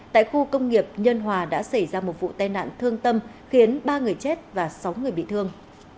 tại khu công nghiệp nhân hòa đã xảy ra một vụ tai nạn thương tâm khiến ba người chết và sáu người bị thương